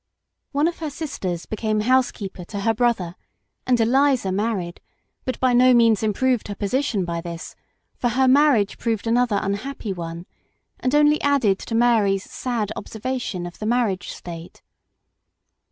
One of her sisters became housekeeper to her brother; and Eliza married, but by no means improved her position by this, for her marriage proved another unhappy one, and only added to Mary's sad observation of the marriage state.